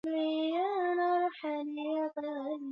Nje ya Pemba Mpemba hana thamani na anaonekana kama vile jiwe la teo